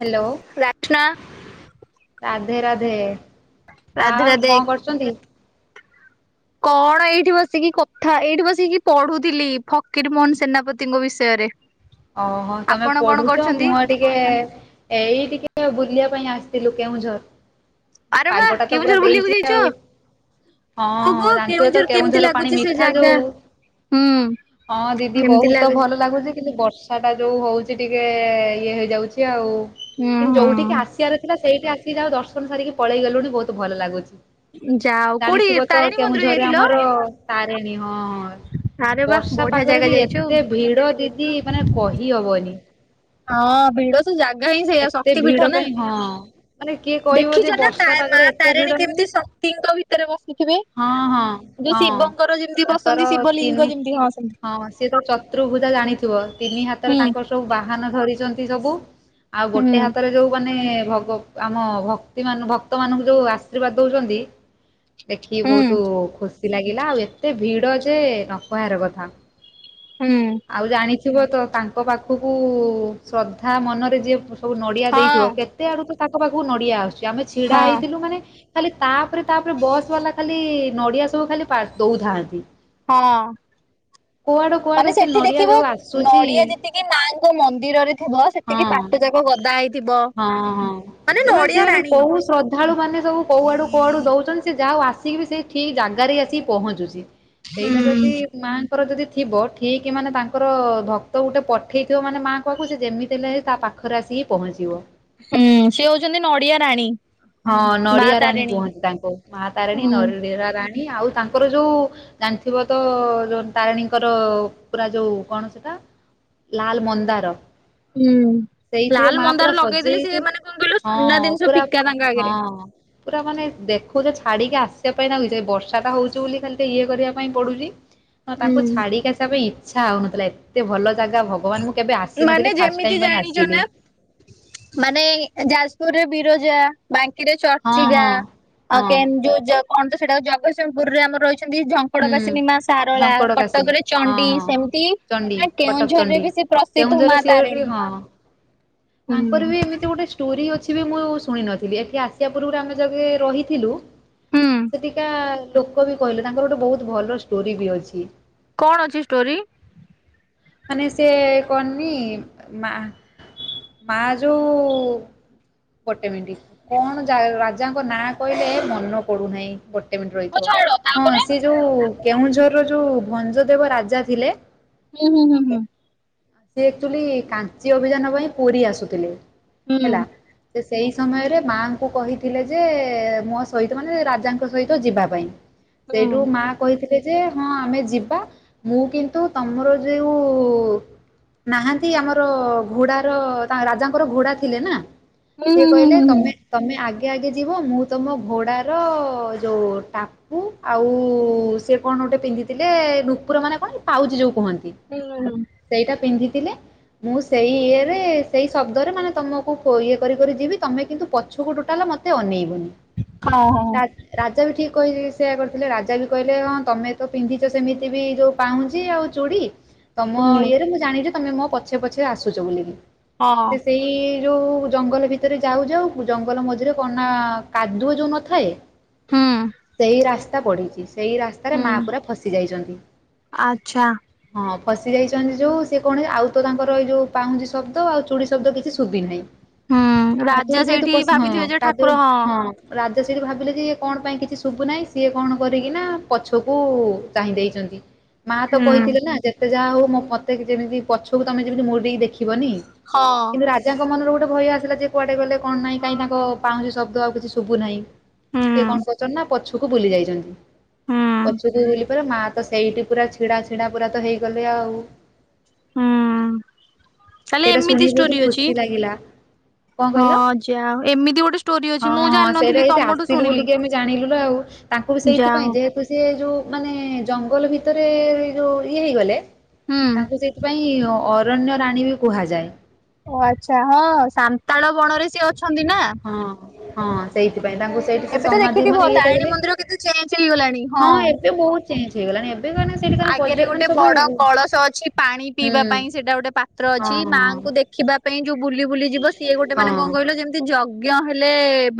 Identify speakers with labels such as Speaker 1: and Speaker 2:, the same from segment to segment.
Speaker 1: Hello
Speaker 2: Rasna
Speaker 1: Radhe Radhe
Speaker 2: Radhe
Speaker 1: ଆଉ
Speaker 2: ରାଧେ
Speaker 1: କଁ କରୁ ଚନ୍ତି।
Speaker 2: କଣ ଏଇଠି ବସିକି କଥା ଏଇଠି ବସିକି ପଢୁଥିଲି ଫକିର ମୋହନ ସେନାପତିଙ୍କ ବିଷୟରେ।
Speaker 1: ଓହୋ ତମେ
Speaker 2: ଆପଣ କଣ
Speaker 1: ପଢୁଚ
Speaker 2: କରୁଛନ୍ତି?
Speaker 1: ମୁଁ ଆ ଟିକେ ଏଇ ଟିକେ ବୁଲିଆ ପାଇଁ ଆସିଥିଲି କେଉଁଝର।
Speaker 2: ଆରେ ବା
Speaker 1: ପାଗଟା ତ ପୁରା
Speaker 2: କେଉଁଝର ବୁଲିବାକୁ
Speaker 1: ଦେଇଚି
Speaker 2: ଯାଇଛ?
Speaker 1: ଆଉ। ହଁ
Speaker 2: କୁହ
Speaker 1: ହଁ
Speaker 2: କୁହ
Speaker 1: ଜାଣିଥିବେ ତ
Speaker 2: କେମିତି
Speaker 1: କେଉଁଝର ପାଣି
Speaker 2: ଲାଗୁଛି ସେ
Speaker 1: ମିଠା
Speaker 2: ଜାଗା?
Speaker 1: ଯୋଉ
Speaker 2: ହୁଁ
Speaker 1: ହଁ ଦିଦି
Speaker 2: କେମିତି
Speaker 1: ବୋହୁତ
Speaker 2: ଲାଗୁଛି?
Speaker 1: ଭଲ ଲାଗୁଚି କିନ୍ତୁ ବର୍ ଷାଟା ଯୋଉ ହଉଛି ଟିକେ ଇଏ ହେଇଯାଉଛି ଆଉ।
Speaker 2: ହୁଁ
Speaker 1: କିନ୍ତୁ ଯୋଉଠିକି
Speaker 2: ହୁଁ
Speaker 1: ଆସିଆର ଥିଲା ସେଇଠୁ ଆସିକି ଯା ହଉ ଦର୍ଶନ ସାରିକି ପଳେଇଗଲୁଣି ବୋହୁତ ଭଲ ଲାଗୁଚି।
Speaker 2: ଯାଉ କୋଉଠି
Speaker 1: ଜାଣିଥିବ ତ
Speaker 2: ତାରିଣୀ ମନ୍ଦିର
Speaker 1: କେଉଁଝରେ
Speaker 2: ଯାଇଥିଲ?
Speaker 1: ଆମର ତାରଣୀ ହଁ।
Speaker 2: ଆରେ ବା
Speaker 1: ବର୍ଷା
Speaker 2: ବଢିଆ
Speaker 1: ପାଗରେ
Speaker 2: ଜାଗା
Speaker 1: ବି
Speaker 2: ଯାଇଛୁ ଆଉ।
Speaker 1: ଏତେ ଭିଡ ଦିଦି ମାନେ କହିହବନି।
Speaker 2: ହଁ ଭିଡ଼ ସ ସେ ଜାଗା ହିଁ ସେଇଆ
Speaker 1: ଏତେ
Speaker 2: ଶକ୍ତି ପୀଠ
Speaker 1: ଭିଡ
Speaker 2: ନା
Speaker 1: ପାଇଁ ହଁ ମାନେ କିଏ କହିବ ଯେ
Speaker 2: ଦେଖିଛ ନା
Speaker 1: ବର୍ଷା
Speaker 2: ତାରି ମା
Speaker 1: ପାଗରେ ଏତେ ଭିଡ
Speaker 2: ତାରିଣୀ
Speaker 1: ନୁହେଁ।
Speaker 2: କେମିତି ସ ତିଙ୍କ ଭିତରେ ବସିଥିବେ।
Speaker 1: ହଁ ହଁ
Speaker 2: ଯୋଉ
Speaker 1: ହଁ
Speaker 2: ଶିବଙ୍କର ଯେମିତି
Speaker 1: ତାଙ୍କର
Speaker 2: ବସନ୍ତି ଶିବ
Speaker 1: ତିନି
Speaker 2: ଲିଙ୍ଗ ଯେମିତି ହଁ ସେମିତି।
Speaker 1: ହଁ ସିଏ ତ ଚତୁର୍ଭୂଜା ଜାଣିଥିବ, ତିନି
Speaker 2: ହୁଁ
Speaker 1: ହାତରେ ତାଙ୍କର ସବୁ ବାହାନ ଧରିଛନ୍ତି ସବୁ। ଆଉ
Speaker 2: ହୁଁ।
Speaker 1: ଗୋଟେ ହାତରେ ଯୋଉ ମାନେ ଭଗ ଆମ ଭକ୍ତି ମାନ ଭକ୍ତ ମାନଙ୍କୁ ଯୋଉ ଆଶୀର୍ବାଦ ଦଉଚନ୍ତି। ଦେଖିକି
Speaker 2: ହୁଁ
Speaker 1: ବହୁତ ଖୁସି ଲାଗିଲା ଆଉ ଏତେ ଭିଡ ଯେ ନ କହିବାର କଥା।
Speaker 2: ହୁଁ।
Speaker 1: ଆଉ ଜାଣିଥିବ ତ ତାଙ୍କ ପାଖକୁ ଶ୍ରଦ୍ଧା ମନରେ ଯିଏ ପୁ ସ୍ପ ଆଉ ନଡିଆ
Speaker 2: ହଁ
Speaker 1: ଦେଇଥିବ କେତେ ଆଡୁ ତ ତାଙ୍କ ପାଖକୁ ନଡିଆ ଆସୁଛି ଆମେ ଛିଡା
Speaker 2: ହଁ
Speaker 1: ହେଇଥିଲୁ ମାନେ ଖାଲି ତାପରେ ତାପରେ ବସ୍ ବାଲା ଖାଲି ନଡିଆ ସବୁ ଖାଲି ପା ଦଉଥାନ୍ତି।
Speaker 2: ହଁ
Speaker 1: କୁଆଡୁ କୁଆଡୁ
Speaker 2: ମାନେ ସେ ସେଠି
Speaker 1: ନଡିଆ
Speaker 2: ଦେଖିବ
Speaker 1: ଯୋଉ ଆସୁଛି
Speaker 2: ନଡିଆ ଯେତିକି ମାଙ୍କ ମନ୍ଦିରରେ ଥିବ। ସେତିକି
Speaker 1: ହଁ।
Speaker 2: ବାଟଯାକ ଗଦା ହେଇ
Speaker 1: ହଁ ହଁ। ସେ ସେମାନେେ
Speaker 2: ରାଣୀ
Speaker 1: କୋଉ ଶ୍ରଦ୍ଧାଳୁ ମାନେ ସବୁ କୋଉଆଡୁ କୁଆଡୁ ଦଉଛନ୍ତି। ସେ ଯାହାଉ ଆସିକି ବି ସେ ଠିକ ଜାଗାରେ ଆସିିକି ପହଞ୍ଚୁଛି।
Speaker 2: ହୁଁ।
Speaker 1: ସେଇଟା ଯଦି ଦି ମାଙ୍କର ଯଦି ଥିବ ଠିକ ମାନେ ତାଙ୍କର ଭକ୍ତ ଗୋଟେ ପଠେଇଥିବ ମାନେ ମା ଙ୍କ ପାଖକୁ, ସେ ଯେମିତି ହେଲେ ତା ପାଖରେ ଆସିକି ପହଞ୍ଚିବ।
Speaker 2: ହୁଁ ସେ ହଉଛନ୍ତି ନଡିଆ ରାଣୀ।
Speaker 1: ହଁ
Speaker 2: ମା
Speaker 1: ନଡ଼ିଆ ରାାଣୀ
Speaker 2: ତାରିଣୀ।
Speaker 1: କୁହନ୍ତି ତାଙ୍କୁ, ମା ତାରାଣୀ
Speaker 2: ହୁଁ।
Speaker 1: ନରଡ଼ିଆ ରାଣୀ ଆଉ ତାଙ୍କ ତାଙ୍କର ଯୋଉ ଜାଣିଥିବ ତ, ଯୋଉ ତାରିଣୀଙ୍କର ପୁରା ଯୋଉ କଣ ସେଟା। ଲାଲ ମନ୍ଦାର
Speaker 2: ହୁଁ
Speaker 1: ସେଇଥିରେ
Speaker 2: ଲାଲ
Speaker 1: ମା ପୁରା
Speaker 2: ମନ୍ଦାର ଲଗେଇଲେ
Speaker 1: ସଜେଇକି
Speaker 2: ସେି ମାନେ କଣ କହିଲ ସୁନା
Speaker 1: ହଁ
Speaker 2: ଜିନିଷ
Speaker 1: ପୁରା
Speaker 2: ଫିକା ତାଙ୍କ ଆଗରେ
Speaker 1: ହଁ ପୁରା ମାନେ ଦେଖୁଛ ଛାଡିକି ଆସିବା ପାଇଁ ଲାଗଛି ବର୍ଷା ଟା ହଉଛି ବୋଲି ଖାଲି ଟ ଇଏ କରିବା ପାଇଁ ପଡୁଛି। ହ
Speaker 2: ହୁଁ
Speaker 1: ତାଙ୍କୁ ଛାଡିକ ଆସିବା ପାଇଁ ଇଚ୍ଛା ହଉନଥିଲା ଏତେ ଭଲ ଜାଗା ଭ ଭଗବାନ ମୁଁ କେବେ ଆସି
Speaker 2: ମାନେ
Speaker 1: ନଥିଲି ଫାଷ୍ଟ
Speaker 2: ଯେମିତି
Speaker 1: ଟାଇ ପାଇଁ
Speaker 2: ଜାଣିଛ ନା
Speaker 1: ଆସିଲି
Speaker 2: ମାନେ ଯାଜପୁରରେ ବିରଜା। ବ୍ୟାଙ୍କିରେ
Speaker 1: ହଁ
Speaker 2: ଚର୍ଚ୍ଚିକା
Speaker 1: ହଁ
Speaker 2: ଆ
Speaker 1: ହଁ
Speaker 2: କେନ୍ଦୁ କଣ ତ ସେଟା ଜଗତସିଂହପୁରରେମ ରହିଛନ୍ତି। ପଡ
Speaker 1: ହୁଁ।
Speaker 2: ବାସିନୀ ମା ସାରଳା
Speaker 1: ଝଙ୍କଡ଼ କାସିନୀ
Speaker 2: କଟକରେ
Speaker 1: ହଁ
Speaker 2: ଚଣ୍ଡି
Speaker 1: ହଁ
Speaker 2: ସେମିତି
Speaker 1: ଚଣ୍ଡୀ
Speaker 2: ନା
Speaker 1: କଟକ
Speaker 2: କେଉଁଝର
Speaker 1: ଚଣ୍ଡୀ।
Speaker 2: ବେଶ ପ୍ରସିଦ୍ଧ ମା
Speaker 1: କେଉଁଝରରେ ସିଏ ଗୋଟେ
Speaker 2: ତାରିଣୀ।
Speaker 1: ହଁ। ତାଙ୍କର
Speaker 2: ହୁଁ।
Speaker 1: ବି ଏମିତି ଗୋଟେ ଷ୍ଟୋରି ଅଛି ବି ମୁଁ ଶୁଣି ନଥିଲି ଏଠି ଆସିବା ପୂର୍ବରୁ ଆମେ ଯେ ରହିଥିଲୁ
Speaker 2: ହୁଁ
Speaker 1: ସେଠିକା ଲୋକ ବି କହିଲେ ତାଙ୍କର ଗୋଟେ ବହୁତ ଭଲ ଷ୍ଟୋରି ବି ଅଛି।
Speaker 2: କଣ ଅଛି ଷ୍ଟୋରି?
Speaker 1: ମାନେ ସେ କଣନି ମା ମା ଯୋଉ ଗୋଟେ ମିନଟ କଣ ରାଜାଙ୍କ ନାଁ କହିଲେ ମନ ପଡୁନାହିଁ। ମ
Speaker 2: ହଉ
Speaker 1: ରହିଥିବ
Speaker 2: ଛାଡ ତା
Speaker 1: ହଁ ସେ ଯୋଉ କେଉଁଝରର ଯୋଉ ଭଞ୍ଜ ଦେବ ରାଜା ଥିଲେ।
Speaker 2: ହୁଁ ହୁଁ ହୁଁ ହୁଁ
Speaker 1: ସଚୁଆଲି କାଞ୍ଚି ଅଭିଯାନ ପାଇଁ ପୁରୀ ଆସୁଥିଲେ
Speaker 2: ହୁଁ
Speaker 1: ହେଲା ସେ ସେଇ ସମୟରେ ମାଙ୍କୁ କହିଥିଲେ ଯେ ମୋ ସହିତ ମାନେ ରାଜାଙ୍କ ସହିତ ଯିବା ପାଇଁ।
Speaker 2: ହୁଁ
Speaker 1: ସେଇଠୁ ମା। କହିଥିଲେ ଯେ ହଁ ଆମେ ଯିବା ମୁଁ କିନ୍ତୁ ତମର ଯେଉ ନାହାନ୍ତି ଆମର ଘୋଡାର ତାଙ୍କ ରାଜାଙ୍କର ଘୋଡା ଥିଲେ ନା।
Speaker 2: ହୁଁ
Speaker 1: ସିଏ
Speaker 2: ହୁଁ
Speaker 1: କହିଲେ
Speaker 2: ହୁଁ
Speaker 1: ତମେ
Speaker 2: ହୁଁ
Speaker 1: ତମେ ଆ ଆଗେ ଆଗେ ଯିବ ମୁଁ ତମ ଘୋଡ଼ାର ଯୋଉ ଟା ପୁ ଆଉ ସେ କଣ ଗୋଟେ ପିନ୍ଧିଥିଲେ ନୂପୁର ମାନେ କଣ ପାଉଯି ଯୋଉ କୁହନ୍ତି।
Speaker 2: ହୁଁଁ।
Speaker 1: ସେଇଟା ପିନ୍ଧିଥିଲେ। ମୁଁ ସେଇ ଇଏରେ ସେଇ ଶବ୍ଦରେ ମାନେ ତମକୁ ଇଏ କରିିକରି ଯିବି ତମେ କିନ୍ତୁ ପଛକୁ ଟୁଟାଲା ମତ୍ ତେ ଅନେଇବୁନି।
Speaker 2: ହଁ ହଁ।
Speaker 1: ରାଜା ବି ଠିକ କହିି ସେୟା କରିଥିଲେ ରାଜା ବି କହିଲେ ହଁ ତମେ ତ ପିନ୍ଧିଛ ସେମିତି ବି ଯୋଉ ପାଉଁଛି ଆଉ ଚୁଡ଼ି। ତମ
Speaker 2: ହୁଁ।
Speaker 1: ଇଏରେ ମୁଁ ଜାଣିବି ଯେ ତମେ ମୋ ପଛେ ପଛେ ଆସୁଛ ବୋଲିକି
Speaker 2: ହଁ
Speaker 1: ସିଏ ସେଇ ଏ ଯୋଉ ଜଙ୍ଗଲ ଭିତରେ ଯାଉ ଯାଉ ଜଙ୍ଗଲ ମଝିରେ କନା କାଦୁଅ ଯୋଉ ନଥାଏ।
Speaker 2: ହୁଁ
Speaker 1: ସେଇ ରାସ୍ତା ବଢିଛି ସେଇ ରାସ୍ ରେ ମା
Speaker 2: ହୁଁ
Speaker 1: ପୁରା ଫସି ଯାଇଛନ୍ତି,
Speaker 2: ଆଚ୍ଛା
Speaker 1: ହଁ ଫସି ଯାଇଛନ୍ତି ଯୋଉ ସେ କଣ ଆଉ ତ ତାଙ୍କର ଏଇ ଯୋଉ ପାଉଁଜି ଶବ୍ଦ ଆଉ ଚୁଡ଼ି ଶବ୍ଦ କିଛି ଶୁଭି ନାହିଁ।
Speaker 2: ହୁଁ
Speaker 1: କାଦୁଅ
Speaker 2: ରାଜା
Speaker 1: ରେ ଯେ ତୁ
Speaker 2: ସେଇଠି
Speaker 1: ପ
Speaker 2: ଭାବିଥିବେ
Speaker 1: ହଁ
Speaker 2: ଯେ ଠାକୁର
Speaker 1: କାଦୁଅ ହଁ। ରାଜା ସେଠି ଭାବିଲେ ଯେ କଣ ପାଇଁ କିଛି ଶୁଭୁ ନାହିଁ ସିଏ କଣ କରିକି ନା ପଛକୁ ଚାହିଁ ଦେଇଛନ୍ତି। ମା ତ
Speaker 2: ହୁଁ।
Speaker 1: କହିଥିଲେ ନା ଯେତେ ଯାହା ହଉ ମୋ ମତେ ଯେମିତି ପଛ କୁ ତମେ ଯେମିତି [unintelligible] ଦେଖି ବନି
Speaker 2: ହଁ।
Speaker 1: କିନ୍ତୁ ରାଜ ଜା ଙ୍କ ମନରେ ଗୋଟେ ଭୟ ଆସିଲା ଯେ କୁଆଡେ ଗଲେ କଣ ନାହିଁ କାଇଁ ତାଙ୍କ ପାଉଁଛି ଶବ୍ଦ ଆଉ କିଛି ଶୁ ବୁ ନାହିଁ।
Speaker 2: ହୁଁ
Speaker 1: ସେ କଣ କରୁଛନ୍ତି ନା ପଛକୁ ବୁଲି ଯାଇଛନ୍ତି।
Speaker 2: ହୁଁ।
Speaker 1: ପଛୁକୁ ବୁଲି ପଲେ ମା ତ ସେଇଠି ପୁରା ଛିଡା ଛିଡା ପୁରା ତ ହେଇଗଲେ ଆଉ।
Speaker 2: ହୁଁ। ତାହେଲେ
Speaker 1: ଏଇରା
Speaker 2: ଏମିତି
Speaker 1: ଶୁଣିକି ବହୁତ
Speaker 2: ଷ୍ଟୋରି ଅଛି।
Speaker 1: ଖୁସି ଲାଗିଲା। କଁ
Speaker 2: ହଁ
Speaker 1: କହିଲ
Speaker 2: ଯାହା ହଉ ଏମିତି ଗୋଟେ ଷ୍ଟୋରି ଅଛି
Speaker 1: ହଁ
Speaker 2: ମୁଁ
Speaker 1: ହଁ ସେଇଟା
Speaker 2: ଜାଣିନଥିଲି
Speaker 1: ଏଇଠି
Speaker 2: ତମଠୁ
Speaker 1: ଆସିଲୁ
Speaker 2: ଶୁଣିଲି।
Speaker 1: ବୋଲିକି ଆମେ ଜାଣିଲୁ ନା ଆଉ। ତାଙ୍କୁ ବି
Speaker 2: ଯାହା
Speaker 1: ସେଇଥିପାଇଁ
Speaker 2: ହଉ।
Speaker 1: ଯେହେତୁ ସିଏ ଯୋଉ ମାନେ ଜଙ୍ଗଲ ଭିତରେ ଯୋଉ ଇଏ ହେଇଗଲେ।
Speaker 2: ହୁଁ।
Speaker 1: ତାଙ୍କୁ ସେଇଥିପାଇଁ ଅରଣ୍ୟ ରାଣୀ ବି କୁହାଯାଏ।
Speaker 2: ଓ ଆଚ୍ଛା ହଁ ସାନ୍ତାଳ ବଣରେ ସିଏ ଅଛନ୍ତି ନା।
Speaker 1: ହଁ ହଁ ସେଇଥିପାଇଁ ତାଙ୍କୁ ସେଇଠି ସେ
Speaker 2: ଏବେ ତ
Speaker 1: ସମାଧି
Speaker 2: ଦେଖିଥିବ
Speaker 1: ମାନେ ଇଟ
Speaker 2: ତାରିଣୀ
Speaker 1: ବୋଲି
Speaker 2: ମନ୍ଦିର କେତେ ଚେଞ୍ଜ ହେଇଗଲାଣି
Speaker 1: ହଁ ଏବେ ବହୁତ ଚେଞ୍ଜ ହେଇଗଲାଣି, ଏ
Speaker 2: ଆଗେରେ ଗୋଟେ ବଡ କଳସ ଅଛି ପାଣି ପିଇବା
Speaker 1: ହଁ
Speaker 2: ପାଇଁ ସେଇଟା ଗୋଟେ ପା ତ୍ର ଅଛି ମାଆଙ୍କୁ
Speaker 1: ହଁ
Speaker 2: ଦେଖିବା ପାଇଁ ଯୋଉ ବୁଲି ବୁଲି ଯିବ ସିଏ ଗୋଟେ ମାନେ
Speaker 1: ହଁ
Speaker 2: କଣ କହିଲ ଯେମ ଯଜ୍ଞ ହେଲେ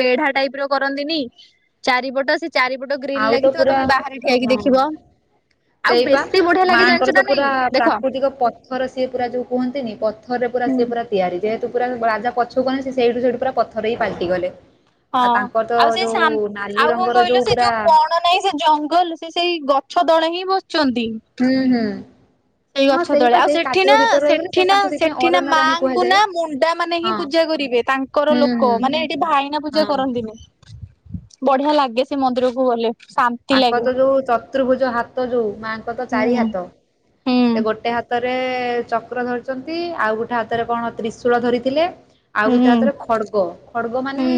Speaker 2: ବେଢା ଟାଇପ ର କରନ୍ତିନି ଚାରିପଟ ସେ ଚାରିପଟ ଗୋ ଗ୍ରୀଲ୍
Speaker 1: ଆଉ ତ
Speaker 2: ଲାଗିଥିବ
Speaker 1: ପୁରା
Speaker 2: ତମେ ବାହାରେ ଠିଆ ହେଇକି
Speaker 1: ହଁ
Speaker 2: ଦେଖିବ। ଆଉ
Speaker 1: ସେଇପା
Speaker 2: ବେଶୀ ବଢିଆ ଲାଗେ
Speaker 1: ମାଆଙ୍କର
Speaker 2: ଜାଣିଛ
Speaker 1: ତ
Speaker 2: ନା
Speaker 1: ପୁରା
Speaker 2: ନାଇଁ ଦେଖ
Speaker 1: ପ୍ରାକୃତିକ ପଥର ସିଏ ପୁରା ଯୋଉ କୁହନ୍ତିନି ପଥରରେ ପୁରା
Speaker 2: ହୁଁ।
Speaker 1: ସିଏ ପୁରା ତିଆରି ଯେହେତୁ ପୁରା ରାଜା ପଛୁକୁ ହନ ସେଇଠୁ ସେଇଠୁ ପୁରା ପଥରରେଇ ପାଲଟି ଗଲେ।
Speaker 2: ହଁ
Speaker 1: ଆ ତାଙ୍କର ତ
Speaker 2: ଆଉ ସେ
Speaker 1: ଯୋଉ
Speaker 2: ସାମ୍
Speaker 1: ନାଲି
Speaker 2: ଆଉ କଣ
Speaker 1: ରଙ୍ଗର
Speaker 2: କହିଲ
Speaker 1: ଯୋଉ
Speaker 2: ସେ
Speaker 1: ପୁରା
Speaker 2: ଯୋଉ ବଣ ନାହିଁ ସେ ଜଙ୍ଗଲ ସେ ସେଇ ଗଛ ଦଳେ ହିଁ ବସଛନ୍ତି।
Speaker 1: ହୁଁ ହୁଁ।
Speaker 2: ସେଇ
Speaker 1: ହଁ
Speaker 2: ଗଛ ତଳେ
Speaker 1: ସେଇପା
Speaker 2: ଆଉ
Speaker 1: ସେଇ
Speaker 2: ସେଠି
Speaker 1: କାଦୁଅ
Speaker 2: ନା
Speaker 1: ଭିତରେ ରହିଗଲେ ସେ
Speaker 2: ସେଠି ନା
Speaker 1: ତାଙ୍କୁ ସେଥିପାଇଁ
Speaker 2: ସେଠି ନା
Speaker 1: ଅରଣ୍ୟ ରାଣୀ
Speaker 2: ମାଙ୍କୁ
Speaker 1: କୁହାଯାଏ।
Speaker 2: ନା ମୁଣ୍ଡା ମାନେ ହିଁ
Speaker 1: ହଁ
Speaker 2: ପୂଜା କରିବେ। ତାଙ୍କର
Speaker 1: ହୁଁ
Speaker 2: ଲୋକ
Speaker 1: ହୁଁ
Speaker 2: ମାନେ ଏଇଠି ଭାଇନା ପୂଜା
Speaker 1: ହଁ।
Speaker 2: କରନ୍ତିନି। ବଢିଆ ଲାଗେ ସେ ମନ୍ଦିରକୁ ଗଲେ। ଶାନ୍ତି
Speaker 1: ତାଙ୍କ
Speaker 2: ଲାଗେ
Speaker 1: ତ ଯୋଉ ଚତୁର୍ଭୁଜ ହାତ ଯୋଉ ମାଙ୍କର ତ
Speaker 2: ହୁଁ
Speaker 1: ଚାରି ହାତ।
Speaker 2: ହୁଁ।
Speaker 1: ସେ ଗୋଟେ ହାତରେ ଚକ୍ର ଧରି ଆଉ ଗୋଟେ ହାତରେ କଣ ତ୍ରିଶୂଳ ଧରିଥିଲେ ଆଉ
Speaker 2: ହୁଁ
Speaker 1: ଗୋଟେ
Speaker 2: ହୁଁ
Speaker 1: ହାତରେ ଖଡ୍ଗ। ଖଡ଼ଗ ମାନେ
Speaker 2: ହୁଁ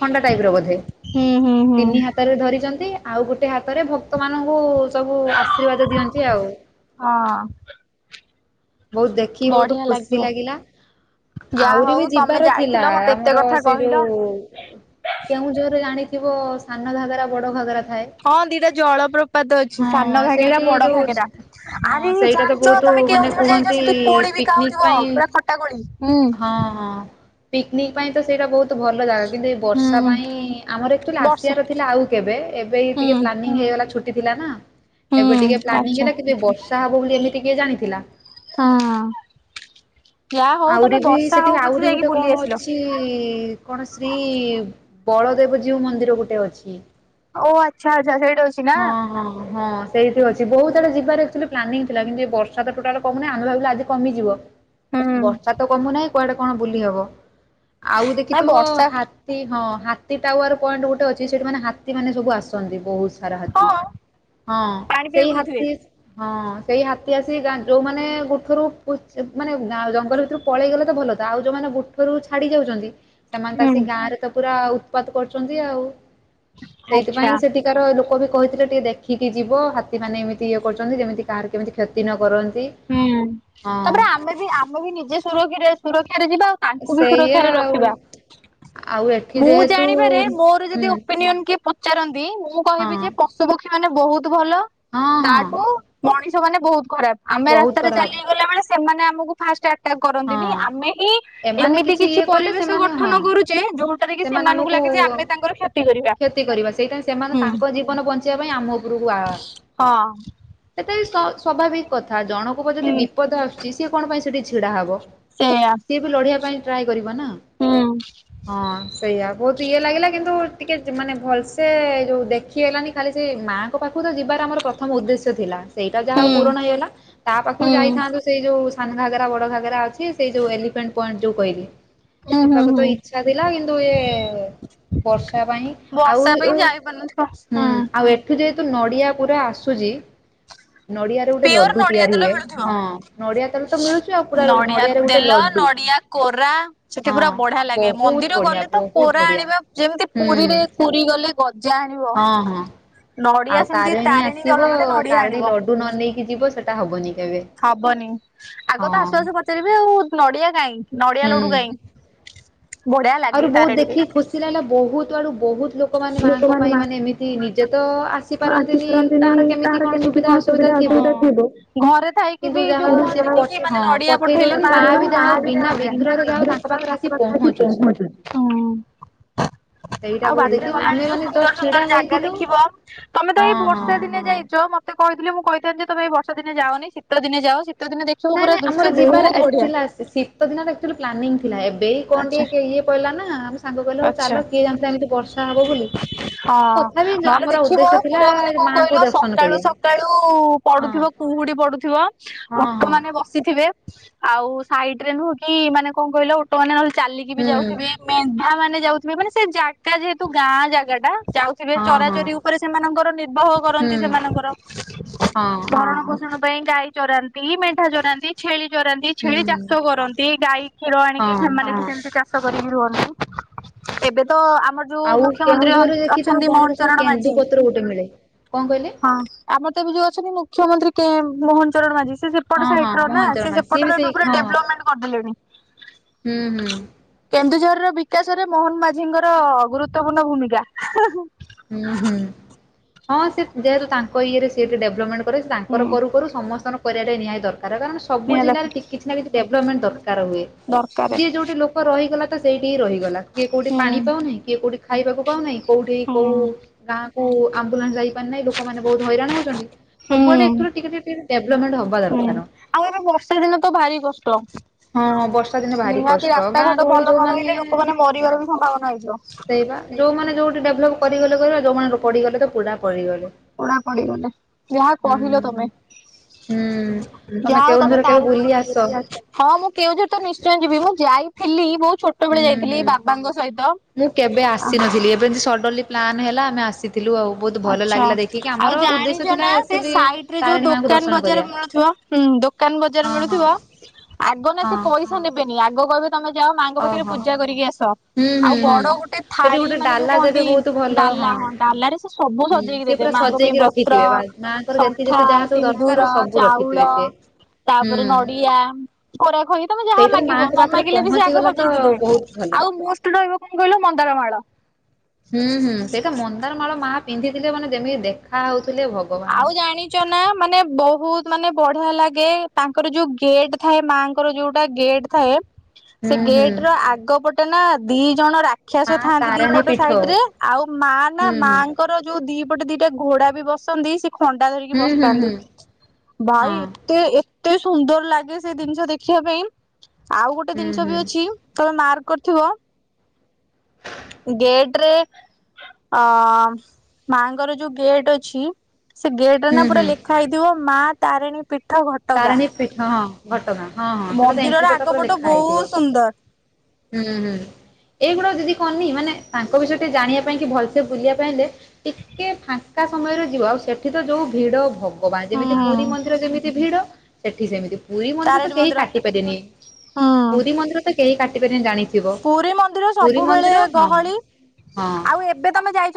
Speaker 1: ଖଣ୍ଡା ଟାଇପ୍ ର ବୋଧେ।
Speaker 2: ହୁଁ ହୁଁ ହୁଁ।
Speaker 1: ତିନି ହାତରେ ଧରିଚନ୍ତି ଆଉ ଗୋଟେ ହାତରେ ଭକ୍ତ ମାନଙ୍କୁ ସବୁ ଆଶୀର୍ବାଦ ଦିଅନ୍ତି ଆଉ।
Speaker 2: ହଁ।
Speaker 1: ବୋହୁତ ଦେଖିକି ବୋହୁତ
Speaker 2: ବଢିଆ
Speaker 1: ଖୁସି
Speaker 2: ଲାଗିବ।
Speaker 1: ଲାଗିଲା।
Speaker 2: ଯାହା
Speaker 1: ଆହୁରି
Speaker 2: ହଉ
Speaker 1: ବି
Speaker 2: ତମେ
Speaker 1: ଯିବାର ଥିଲା
Speaker 2: ଯାଇଥିଲ ମତେ ଏତେ
Speaker 1: ଆମର
Speaker 2: କଥା
Speaker 1: ସେ
Speaker 2: କହିଲ।
Speaker 1: ଯୋଉ କେଉଁଝରରେ ଜାଣିଥିବ ସାନ ଘାଗରା ବଡ ଘାଗରା ଥାଏ।
Speaker 2: ହଁ ଦିଇଟା ଜଳପ୍ରପାତ ଅଛି ସାନ
Speaker 1: ହଁ
Speaker 2: ଘାାଗେରା
Speaker 1: ସେଇଠି
Speaker 2: ବଡ
Speaker 1: ଯୋଉ
Speaker 2: ଘାଗେରା।
Speaker 1: ହଁ
Speaker 2: ଆରେ
Speaker 1: ସେଇଟା ତ
Speaker 2: ଜାଣିଚ
Speaker 1: ବହୁତ
Speaker 2: ତମେ
Speaker 1: ମାନେ
Speaker 2: କେଉଁଝ ଯାଇଛ
Speaker 1: କୁହନ୍ତି
Speaker 2: ସେଠି କୋଳି ବି
Speaker 1: ପିକନିକ
Speaker 2: ଖାଉଥିବ
Speaker 1: ପାଇଁ
Speaker 2: ପୁରା ଖଟା କୋଳି ହୁଁ।
Speaker 1: ପିକ୍ନିକ୍ ପାଇଁ ତ ସେଇଟା ବୋଉତ ତ ଭଲଯାଗା କିନ୍ତୁ ବର୍ଷା
Speaker 2: ହୁଁ
Speaker 1: ପାଇଁ ଆମର ଆଚୁଆଲି
Speaker 2: ବର୍ଷା
Speaker 1: ଆସିବାରଥିଲା ଆଉ କେବେ ଏବେ
Speaker 2: ହୁଁ
Speaker 1: ଏଇଟିକେ ପ୍ଲାନିଙ୍ଗ ହେଇଗଲା ଛୁଟି ଥିଲା ନା ଏବେ
Speaker 2: ହୁଁ
Speaker 1: ଟିକେ ପ୍ଲାନିଂ
Speaker 2: ଆଚ୍ଛା
Speaker 1: ହେଲା କେ ବର୍ଷା ହବ ବୋଲି ଏମିତି ଟିକେ ଜାଣିଥିଲା।
Speaker 2: ହୁଁ।
Speaker 1: ଆହୁରି ବି ସେଠି
Speaker 2: ପଛେ
Speaker 1: ଆହୁରି
Speaker 2: ଯାଇକି
Speaker 1: ଗୋଟେ
Speaker 2: ବୁଲି
Speaker 1: କଣ
Speaker 2: ଆସିଲ।
Speaker 1: ଅଛି। କଣ ଶ୍ରୀ ବଳଦେବଜୀଉ ମନ୍ଦିର ଗୋଟେ ଅଛି।
Speaker 2: ଓ ଆଚ୍ଛା ଆଛା ସେଇଟା ଅଛି ନା।
Speaker 1: ହଁ ହଁ ସେ ସେଇଠି ଅଛି ବୋହୁତ ଆଡେ ଯାର ପ୍ଲାନୀଙ୍ଗ ଥିଲା କିନ୍ତୁ ବର୍ଷା ତ ଟୋଟାଲ କମୁନି ଆମେ ଭାବିଲୁ ଆଜି କମଯିବ।
Speaker 2: ହୁଁ
Speaker 1: ବର୍ଷା ତ କମୁ ନାହିଁ କୁଆଡେ କଣ ବୁଲି ହବ ଆଉ
Speaker 2: ନାଇଁ
Speaker 1: ଦେଖିଥିବ।
Speaker 2: ବର୍ଷା
Speaker 1: ହଁ ହାତୀ ଟାୱାର ପଏଣ୍ଟ ଗୋଟେ ଅଛି ସେଠିାମାନେ ହାତୀ ମାନେ ସବୁ ଆସନ୍ତି ବୋହୁତ ତାର ହାତୀ
Speaker 2: ହଁ
Speaker 1: ହଁ
Speaker 2: ପାଣି ପିଇବାକୁ
Speaker 1: ସେଇ
Speaker 2: ଦଉଥିବେ
Speaker 1: ହାତୀ ହଁ ସେଇ ହାତୀ ଆସିିକିକି ଗାଁ ଯୋଉମାନୋନ ଗୋଠରୁ ପୋଚ ମାନେ ନାଉ ଜଙ୍ଗଲ ଭିତରୁ ପଳେଇଗଲେ ତ ଭଲ ତ ଆଉ ଯୋଉମାନେ ଗୁଠରୁ ଛାଡି ଯାଉଚନ୍ତି ସେମାନେ ତ ଆସି
Speaker 2: ହୁଁ
Speaker 1: ଗାଁରେ ସେ ପୁରା ଉତ୍ପାାତ କରୁଚନ୍ତି ଆଉ
Speaker 2: ଆଚ୍ଛା
Speaker 1: ସେଇଥିପାଇଁ ସେଠୀ ସେଠିକାର ଲୋକ ବି କହିଥିଲେ ଟିକେ ଦେଖିକି ଯିବ ହାତୀମାନେ ଏମିତି ଇଏ କରୁଚନ୍ତି ଯେମିତି କାହାର କେମିତି କ୍ଷତି ନ କରନ୍ତି।
Speaker 2: ହୁଁ
Speaker 1: ହଁ
Speaker 2: ତାପରେ ଆମେ ବି ଆମେ ବି ନିଜେ ସୁରଖି ସୁରକ୍ଷାରେ ଯିବା ଆଉ। ତାଙ୍କୁ ବି
Speaker 1: ସେଇଆ
Speaker 2: ସୁରକ୍ଷାରେ
Speaker 1: ଆଉ
Speaker 2: ରଖିବା।
Speaker 1: ଆଉ ଏଠି
Speaker 2: ମୁଁ
Speaker 1: ଯେହେତୁ
Speaker 2: ଜାଣିବାରେ ମୋର ଯଦି
Speaker 1: ହୁଁ
Speaker 2: ଓପିନିଅ କିଏ ପଚାରନ୍ତି ମୁଁ କହିବି
Speaker 1: ହଁ
Speaker 2: ଯେ ପଶୁ ପକ୍ଷୀ ମାନେ ବୋହୁତ ଭଲ
Speaker 1: ହଁ ହଁ
Speaker 2: ତାଠୁ ମଣିଷ ମାନେ ବୋହୁତ ଖରାପ୍ ଆମେ
Speaker 1: ବହୁତ
Speaker 2: ରାସ୍ତାରେ
Speaker 1: କରାହବ
Speaker 2: ଚାଲିକିଗଲା ବେଳେ ସେମାନେ ଆମକୁ ଫାଷ୍ଟ ଆ କରନ୍ତିନି
Speaker 1: ହଁ
Speaker 2: ଆମେ ହିଁ
Speaker 1: ଏମାନେ
Speaker 2: ଏମିତି କିଛି
Speaker 1: ଇଏ କଲେ
Speaker 2: ପରିବେଶ
Speaker 1: ସେମାନେ ହଁ
Speaker 2: ଗଠନ କରୁଛେ ଯୋଉଠ
Speaker 1: ସେମାନେ ଆମକୁ
Speaker 2: କରିବା।
Speaker 1: କ୍ଷତି କରିବା ସେଇଥିାଇଁ ସେମାନେ
Speaker 2: ହୁଁ।
Speaker 1: ତାଙ୍କ ଜୀବନ ବଞ୍ଚ ବଞ୍ଚି ପିବା ପାଇଁ ଆମ ଉପରକୁ ଆ
Speaker 2: ହଁ।
Speaker 1: ସେଟା ବି ସ୍ୱଭାବିକ କଥା ଜଣଙ୍କ ଉପରେ ଯଦି
Speaker 2: ହୁଁ
Speaker 1: ବିପଦ ଆସୁଛି ସିଏ କଣ ପାଇଁ ସେଠି ଛିଡା ହବ।
Speaker 2: ସେଇଆ।
Speaker 1: ସିଏ ବି ଲଢିବା ପାଇଁ ଟ୍ରାଏ କରିବ ନା।
Speaker 2: ହୁଁ।
Speaker 1: ହଁ ସେଇଆା ବୋହୁତ ଇଏ ଲାଗିଲା କିନ୍ତୁ ଟିକେ ମାନେ ଭଲସେ ଯୋଉ ଦେଖି ହେଇଲାନି ଖାଲି ସେ ମା ଙ୍କ ପାଖକୁ ତ ଯିବାର ଆମର ପ୍ରଥମ ଉଦ୍ଦେଶ୍ୟ ଥିଲା ସେଇଟା ଯାହା
Speaker 2: ହୁଁ
Speaker 1: ହୋଉ ପୂରଣ ହେଇଗଲା ତା ପାଖକୁ
Speaker 2: ହୁଁ
Speaker 1: ଯାଇଥାନ୍ତୁ ସେଇ ଯୋଉ ସାନ ଘାଗରା, ବଡ ଘାଗରା ଅଛି, ସେଇ ଯୋଉ ଏଲିଫେଣ୍ଟ ପଏଣ୍ଟ ଯୋଉ କହିଲି।
Speaker 2: ହୁଁ ହୁଁ
Speaker 1: ଯିବାକୁ
Speaker 2: ହୁଁ।
Speaker 1: ତ ଇଛା ଥିଲା, କିନ୍ତୁ ଏ ଏ ବର୍ଷା ପାଇଁ, ଆଉ
Speaker 2: ବର୍ଷା ପାଇଁ
Speaker 1: ଉ
Speaker 2: [unintelligible]
Speaker 1: ଏଠୁ ଯେହେତୁ ନଡିଆ ପୁରା ଆସୁଚି, ନଡିଆରେ ଗୋଟେ
Speaker 2: ପିଓର
Speaker 1: ଲଡୁ
Speaker 2: ନଡିଆ
Speaker 1: ତିଆରି
Speaker 2: ତେଲ
Speaker 1: ହୁଏ,
Speaker 2: ମିଳୁଥିବ।
Speaker 1: ହଁ। ନଡିଆ ତେଲ ତ ମିଳୁଚି ଆଉ। ପୁରା
Speaker 2: ନଡିଆ
Speaker 1: ନଡିଆରେ ଗୋଟେ
Speaker 2: ତେଲ,
Speaker 1: ଲଡୁ
Speaker 2: ନଡିଆ କୋରା, ସେଠି
Speaker 1: ହଁ
Speaker 2: ପୁରା ବଢିଆ ଲାଗେ,
Speaker 1: ବହୁତ
Speaker 2: ମନ୍ଦିର
Speaker 1: ବଢିଆ
Speaker 2: ଗଲେ ତ
Speaker 1: ବହୁତ
Speaker 2: କୋରା
Speaker 1: ବଢିଆ
Speaker 2: ଆଣିବା ଯେମିତି
Speaker 1: ହୁଁ।
Speaker 2: ପୁରୀରେ, ପୁରୀ ଗଲେ ଗଜା ଆଣିବ।
Speaker 1: ହଁ ହଁ
Speaker 2: ନଡିଆ
Speaker 1: ଆଉ
Speaker 2: ସେମିତି, ତାରେଣୀ ଗଲ ମାନେ ନଡିଆ ଆଣିବ।
Speaker 1: ଡୁ ନ ନେଇକି ଯିବ, ସେଟା ହବନି କେବେ।
Speaker 2: ହବନି, ଆଗ ତ
Speaker 1: ହଁ
Speaker 2: ଆସୁ ଆସୁ ପଚାରିବି ଆଉ, ନଡିଆ କାଇଁ? ନଡିଆ
Speaker 1: ହୁଁ।
Speaker 2: ଲଡୁ କାଇଁ? ବଢିଆ
Speaker 1: ଆହୁରି
Speaker 2: ଲାଗେ
Speaker 1: ବହୁତ
Speaker 2: ତାରିଣୀରେ।
Speaker 1: ଦେଖିକି ଖୁସି ଲାଗିଲା, ବହୁତ ଆଡୁ, ବହୁତ ଲୋକ ମାନେ, ମାଙ୍କ ପାଇଁ ମାନେ ଏମିତି
Speaker 2: ହଁ, ଆସିପାରନ୍ତିନି, କାହାର କେମିତି କଣ, ସୁବିଧା ଅସୁବିଧା ଥିବ? ଘରେ ଥାଇ ସିଏ
Speaker 1: କିନ୍ତୁ
Speaker 2: ବି,
Speaker 1: ଯାହା
Speaker 2: ଯୋଉ
Speaker 1: ହଉ ସେ
Speaker 2: କୁହନ୍ତିନି
Speaker 1: ପଠ
Speaker 2: କି, ମାନେ
Speaker 1: ହଁ
Speaker 2: ନଡିଆ
Speaker 1: ପଠେଇ
Speaker 2: ପଠେଇଲେ
Speaker 1: ଦଉଛନ୍ତି
Speaker 2: ମା
Speaker 1: ବି ଯାହା
Speaker 2: ଗ୍ରହଣ
Speaker 1: ହଉ
Speaker 2: କରନ୍ତି,
Speaker 1: ବିନା
Speaker 2: ସେଇ ଭଳିଆ।
Speaker 1: ବିଘ୍ନରେ ଯାହା ହଉ
Speaker 2: ତାଙ୍କ ପାଖରେ ଆସି
Speaker 1: ପହଞ୍ଚୁଛି।
Speaker 2: ପହଞ୍ଚୁଚି।
Speaker 1: ସେଇଟା
Speaker 2: ଆଉ
Speaker 1: ବୋଉ
Speaker 2: ବାଟରେ
Speaker 1: ଦେଖିବ
Speaker 2: ଗଲାବେଳେ
Speaker 1: ଆମେ
Speaker 2: ଯୋଉ
Speaker 1: ମାନେ
Speaker 2: ସୁନ୍ଦର
Speaker 1: ଜଷ୍ଟ ଛିଡା
Speaker 2: ସୁନ୍ଦର ଜାଗା
Speaker 1: ହେଇଥିଲୁ
Speaker 2: ଦେଖିବ? ତମେ ତ
Speaker 1: ହଁ
Speaker 2: ଏଇ ବର୍ଷା
Speaker 1: ହଁ।
Speaker 2: ଦିନେ ଦିନେ ଯାଇଚ, ମତେ କହିଥିଲେ, ମୁଁ କହିଥାନ୍ତି ଯେ, ତମେ ଏଇ ବର୍ଷା ଦିନେ ଯାଅନି, ଶୀତ ଦିନ ଯାଅ, ଶୀତ ଦିନ ଦେ ସବୁ ପୁରା ଦୃଶ୍ୟ, ବହୁତ ବଢିଆ।
Speaker 1: ସେ ଶୀତ ଦିନ ଆକ୍ଚୁଆଲି ପ୍ଲାନିଂ ଥିଲା, ଏବେ ଏଇ କଣ
Speaker 2: ଆଚ୍ଛା
Speaker 1: ଟିକେ ଇଏ ପଇଲା ନା। ସାଙ୍ଗ କହିଲେ ହଉ
Speaker 2: ଆଚ୍ଛା
Speaker 1: ଚାଲ, କିଏ ଜାଣିଥିଲା ଏମିତି ବର୍ଷା ହବ ବୋଲି।
Speaker 2: ହଁ,
Speaker 1: ତଥାପି ଯ
Speaker 2: ନହେଲେ
Speaker 1: ଆମର
Speaker 2: ଦେଖିବ,
Speaker 1: ଉଦ୍ଦେଶ୍ୟ ଥିଲା
Speaker 2: ପୁରା ମାନେ କଣ
Speaker 1: ମାଙ୍କୁ
Speaker 2: କହିଲ
Speaker 1: ଦର୍ଶନ
Speaker 2: ସକାଳୁ
Speaker 1: କରିବା
Speaker 2: ସକାଳୁ ଉ
Speaker 1: ହଁ।
Speaker 2: ପଡୁଥିବ, କୁହୁଡି ପଡୁ ଥିବ,
Speaker 1: ହଁ
Speaker 2: ଓଟ
Speaker 1: ହଁ
Speaker 2: ମାନେ ବସିଥିବେ, ଆଉ ସାଇଡରେ ନୁହୁକି, ମାନେ କଣ କହିଲ ଓ ଓଟ ମାନେ ନହେଲେ ଚାଲିକି ବି
Speaker 1: ହୁଁ
Speaker 2: ଯାଉଥିବେ, ମେଣ୍ଢା ମାନେ ଯାଉଥିବେ, ମାନେ ସେ ଯା ଜାଗା ଯେହେତୁ ଗାଁ ଜାଗା ଟା, ଯାଉ ଥିବେ,
Speaker 1: ହଁ ହଁ
Speaker 2: ଚରାଚରି ଉପରେ ସେମାନଙ୍କର ନିର୍ବହ କରନ୍ତି
Speaker 1: ହୁଁ।
Speaker 2: ସେମାନଙ୍କର, ଭରଣ ପୋଷ
Speaker 1: ହଁ
Speaker 2: ଭରଣ ପୋଷଣ ପାଇଁ ଗାଈ ଚରାନ୍ତି, ମେଣ୍ଢା ଚରାନ୍ତି। ଛେଳି ଚରାନ୍ତି, ଛେଳି ଚାଷ
Speaker 1: ହୁଁ
Speaker 2: କରନ୍ତି, ଗାଈ କ୍ଷୀର ଆଣିକି
Speaker 1: ହଁ।
Speaker 2: ସେମାନେ ସେମିତି ଚା ଚାଷ କରିକି ରୁହନ୍ତି, ଏବେ ତ ଆ ଆମର ଯୋଉ
Speaker 1: ଆଉ
Speaker 2: ମୁଖ୍ୟମନ୍ତ୍ରୀ
Speaker 1: କେଉଁଝରରେ ଦେଖିଥିବ
Speaker 2: ଅଛନ୍ତି, ମୋହନ
Speaker 1: ବଣରେ ସବୁ
Speaker 2: ଚରଣ
Speaker 1: କେନ୍ଦୁ
Speaker 2: ମାଝୀ,
Speaker 1: ପତ୍ର ଗୋଟେ ମିଳେ କଣ କହିଲେ?
Speaker 2: ହଁ। ଆମର ତ ଏବେ ଯୋଉ ଅଛନ୍ତି, ମୁଖ୍ୟମନ୍ତ୍ରୀ କେ ମୋହନ ଚରଣ ମାଝି, ସେ ସେପଟ
Speaker 1: ହଁ ହଁ
Speaker 2: ସାଇଟର ନା,
Speaker 1: ମୋହନ
Speaker 2: ସେ
Speaker 1: ଚରଣ ସିଏ ବି
Speaker 2: ସେପଟରେ ଏ
Speaker 1: ସେଇ
Speaker 2: ପୁରା
Speaker 1: ହଁ
Speaker 2: ଡେଭଲପମେଣ୍ଟ କରିଦେଲେଣି।
Speaker 1: ହୁଁ ହୁଁ
Speaker 2: କେନ୍ଦୁଝର ର ବିକାଶ ରେ ମୋହନ ମାଝିଙ୍କର ଗୁରୁତ୍ୱପୂର୍ଣ୍ଣ ଭୂମିକା। [unintelligible]
Speaker 1: ହୁଁ ହୁଁ, ହଁ ସେ ଯେହେତୁ ତାଙ୍କ ଇଏରେ, ସେ ଡେଭଲପମେଣ୍ଟ କରିବେ, ତାଙ୍କର କରୁ କରୁ ସମସ୍ତଙ୍କର କରିବାଟା ବି ନିହାତି ଦରକାର, କାରଣ ସବୁ
Speaker 2: ନିହାତି
Speaker 1: ଜିଲ୍ଲାରେ ଟି କି ଡେଭଲପମେଣ୍ଟ ଦରକାର ହୁଏ,
Speaker 2: ଦରକାରେ
Speaker 1: ଯିଏ ଯୋଉଠି ଲୋକ ରହିଗଲା ତ ସେଇଠି ହି ରହିଗଲା, କିଏ କୋଉଠି
Speaker 2: ହୁଁ
Speaker 1: ପାଣି ପାଉନାହିଁ, କିଏ କୋଉଠି ଖାଇବାକୁ ପାଉନାହିଁ, କୋଉଠି କୋଉ
Speaker 2: ହୁଁ
Speaker 1: ଗାଁ କୁ ଆମ୍ବୁଲାନ୍ସ ଯାଇପାରି ନାହିଁ, ଲୋକମାନେ ବହୁତ ହଇରାଣ ହଉଛନ୍ତି, ସବୁଆଡେ ଏଥୁରୁ ଟିକେଟିକେ ଟିକେଟିକେ ଡେଭଲପମେଣ୍ଟ ହବ।
Speaker 2: ହୁଁ, ଆଉ ଏବେ ବର୍ଷା ଦିନ ତ ଭାରି କଷ୍ଟ।
Speaker 1: ହଁ, ବର୍ଷ ବର୍ଷା ଦିନେ ଭାରି
Speaker 2: ନିହାତି
Speaker 1: କଷ୍ଟ, ଗାଁ
Speaker 2: ରାସ୍ତାଘାଟ
Speaker 1: ଗହଳି
Speaker 2: ଭଲ ନ
Speaker 1: ଯୋଉମାନେ
Speaker 2: ରହିଲେ
Speaker 1: ଏ,
Speaker 2: ଲୋକମାନେ
Speaker 1: ହଁ,
Speaker 2: ମରିବାର ବି ସମ୍ଭାବନା ହେଇଯିବ।
Speaker 1: ସେଇପା। ଯୋଉମାନେ ଯଉଠି ଡେଭଲପ୍ କରିଗଲେ, କରିଗଲେ, ଯୋଉମାନେ ପଡିଗଲେ ତ, ପୁରା ପଡିଗଲେ,
Speaker 2: ପୋଡା ପଡିଗଲେ ଯାହା
Speaker 1: ହୁଁ।
Speaker 2: କହିଲ ତମେ
Speaker 1: ହୁଁ, ତମେ
Speaker 2: ଯାହା ହଉ
Speaker 1: କେଉଁଝର କେବେ
Speaker 2: ତାର
Speaker 1: ବୁଲି ଆସ।
Speaker 2: ହଁ, ମୁଁ କେଉଁଝର ତ ନିଶ୍ଚୟ ଯିବି, ମୁଁ ଯାଇଥିଲି, ବହୁତ ଛୋଟ ବେଳେ
Speaker 1: ହୁଁ
Speaker 2: ଯାଇଥିଲି,
Speaker 1: ହୁଁ।
Speaker 2: ଏଇ ବାବା ଙ୍କ ସହିତ।
Speaker 1: ମୁଁ କେବେ ଆସିନଥିଲି। ଏବେ ସଡନଲି ପ୍ଲାନ୍ ହେଲା ଆମେ ଆସିଲୁ।
Speaker 2: ଆଛା ଆଉ
Speaker 1: ଉଦ୍ଦେଶ୍ୟ
Speaker 2: ଜାଣିଚ
Speaker 1: ଥିଲା
Speaker 2: ନା ସେ
Speaker 1: ଆକ୍ଚୁଆଲି
Speaker 2: ସାଇଟରେ ଯୋଉ
Speaker 1: ତାରିଣୀ ମାଙ୍କୁ
Speaker 2: ଦୋକାନ
Speaker 1: ଦର୍ଶନ
Speaker 2: ବଜାର
Speaker 1: କରିବା
Speaker 2: ମିଳୁଥିବ। ହୁଁ ଦୋକାନ ବଜାର
Speaker 1: ହଁ ହଁ
Speaker 2: ମିଳୁଥିବ। ଆଗ ନାକୁ
Speaker 1: ହଁ
Speaker 2: ସେ ପଇସା ନେବେନି ଆଗ କହିବେ ତମେ ଯାଅ ମାଆଙ୍କ ପାଖରେ
Speaker 1: ଓହୋ
Speaker 2: ପୂଜା କରିକି ଆସ।
Speaker 1: ହୁଁ
Speaker 2: ଆଉ
Speaker 1: ହୁଁ ହୁଁ।
Speaker 2: ବଡ ଗୋଟେ
Speaker 1: ସେଠି
Speaker 2: ଥାଳି
Speaker 1: ଗୋଟେ
Speaker 2: ମାନେ ଯୋଉ
Speaker 1: ଡାଲା ଦେବେ
Speaker 2: କୁହନ୍ତି
Speaker 1: ବହୁତ ଭଲ
Speaker 2: ଡାଲା ହଁ ଡାଲାରେ ତୁ ସବୁ
Speaker 1: ହୁଁ
Speaker 2: ସଜେଇକି
Speaker 1: ସିଏ
Speaker 2: ଦେବେ।
Speaker 1: ପୁରା
Speaker 2: ମାଙ୍କ ପେଇଁ
Speaker 1: ସଜେଇକି
Speaker 2: ବସ୍ତ୍ର,
Speaker 1: ରଖିଥିବେ ମାଆଙ୍କର ଯେତେ
Speaker 2: ସଙ୍ଖା,
Speaker 1: ଯେତେ ଯାହା ସବୁ ଦରକାର
Speaker 2: ସିନ୍ଦୁର,
Speaker 1: ସବୁ
Speaker 2: ଚାଉଳ।
Speaker 1: ରଖିଥିବେ ସିଏ।
Speaker 2: ତାପରେ
Speaker 1: ହୁଁ
Speaker 2: ନଡିଆ କୋରା ଖଇ ତମେ ଯାହା
Speaker 1: ସେଇଟା ତ
Speaker 2: ମାଗିବ
Speaker 1: ମାଆଙ୍କ
Speaker 2: ନ
Speaker 1: ପାଖରେ
Speaker 2: ମାଗିଲେ ବି ସେ
Speaker 1: ପହଞ୍ଚି
Speaker 2: ଆଗ
Speaker 1: ଗଲା ତ
Speaker 2: ସଜେଇ ଦେଇଦେବେ।
Speaker 1: ବହୁତ ଭଲ।
Speaker 2: ଆଉ ମୋଷ୍ଟ ରହିବ କଣ କହିଲ? ମନ୍ଦାରମାଳ।
Speaker 1: ହୁଁ ହୁଁ ସେଇଟା ମନ୍ଦାରମାଳ ମା ପିନ୍ଧିଥିଲେ ମାନେ ଯେମିତି ଦେଖା ହଉଥିଲେ ଭଗ
Speaker 2: ଆଉ ଜାଣି ଚନା ମାନେ ବହୁତ ମାନେ ବଢିଆ ଲାଗେ ତାଙ୍କର ଯୋଉ ଗେଟ୍ ଥାଏ ମାଙ୍କର ଯୋଉଟା ଗେଟ୍ ଥାଏ
Speaker 1: ହୁଁ
Speaker 2: ସେ
Speaker 1: ହୁଁ
Speaker 2: ଗେଟ ର ଆଗ ପଟେ ନା ଦି ଜଣ ରା
Speaker 1: ମା
Speaker 2: ଖ୍ୟାସ ଥାଆନ୍ତି
Speaker 1: ତାରିଣୀ
Speaker 2: ଦିପଟ
Speaker 1: ପୀଠ
Speaker 2: ସାଇଟ ରେ। ଆଉ ମା ନା
Speaker 1: ହୁଁ
Speaker 2: ମା
Speaker 1: ହୁଁ
Speaker 2: ଙ୍ ଙ୍କର ଯୋଉ ଦି ପଟେ ଦିଟା ଘୋଡା ବି ବସନ୍ତି ସେ ଖଣ୍ଡା ଧରିକି
Speaker 1: ହୁଁ ହୁଁ
Speaker 2: ବସଥାନ୍ତି।
Speaker 1: ହୁଁ।
Speaker 2: ଭାଇ
Speaker 1: ହଁ
Speaker 2: ଏତେ ଏତେ ସୁନ୍ଦର ଲାଗେ ସେ ଜିନିଷ ଦେଖିବା ପାଇଁ। ଆଉ ଗୋଟେ
Speaker 1: ହୁଁ
Speaker 2: ଜିନିଷ
Speaker 1: ହୁଁ
Speaker 2: ବି ଅଛି ତମେ ମାର୍କ କରିଥିବ। ଗେଟ୍ରେ ଅମ୍ ମାଙ୍କର ଯୋଉ ଗେଟ୍ ଅଛି ସେ ଗେଟରେ
Speaker 1: ହୁଁ
Speaker 2: ନା ପୁରା
Speaker 1: ହୁଁ
Speaker 2: ଲେଖା ହେଇଥିବ ମା ତାରିଣୀ ପୀଠ ଘ
Speaker 1: ତାରିଣୀ ପୀଠ ହଁ ଘଟଗାଁ ହଁ ହଁ। ସେଟା ତ
Speaker 2: ମନ୍ଦିରର
Speaker 1: ଏଣ୍ଟ୍ରି ପଟ ପୁରା
Speaker 2: ଆଗପଟ
Speaker 1: ଲେଖା
Speaker 2: ବହୁତ
Speaker 1: ହେଇଥିବ।
Speaker 2: ସୁନ୍ଦର
Speaker 1: ହୁଁ ହୁଁ। ଏଇଗୁଡା ଯଦି କନି ମାନେ ତାଙ୍କ ବିଷୟରେ ଟିକେ ଜାଣିଆ ପାଇଁ କି ଭଲସେ ବୁଲିବା ପାଇଁ ହେଲେ ଟିକେ ଫାଙ୍କା ସମୟରେ ଯିବ। ଆଉ ସେଠି ତ ଯୋଉ ଭିଡ ଭଗ ବୋବା ଗାଁ
Speaker 2: ହୁଁ
Speaker 1: ଯେମିତି ପୁରୀ
Speaker 2: ହୁଁ
Speaker 1: ମନ୍ଦିର ଯେମିତି ଭିଡ ସେଠି ସେମିତି। ପୁରୀ ମନ୍ଦିର ତ କେହି କାଟି ପାରିଏନି।
Speaker 2: ହୁଁ।
Speaker 1: ପୁରୀ ମନ୍ଦିର ତ କେହି କାଟି ପାରିବେନି ଜାଣି
Speaker 2: ପୁରୀ ମନ୍ଦିର ସବୁବେଳେ ଗହଳି
Speaker 1: ହଁ
Speaker 2: ଆଉ ଏବେ ତମେ ଯାଇଚ